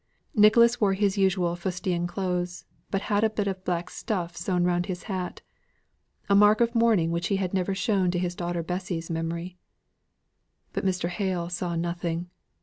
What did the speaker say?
Nicholas wore his usual fustian clothes, but had a bit of black stuff sown round his hat a mark of mourning which he had never shown to his daughter Bessy's memory. But Mr. Hale saw nothing.